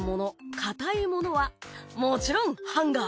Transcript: かたいものはもちろんハンガー。